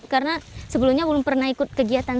karena sebelumnya belum pernah ikut kegiatan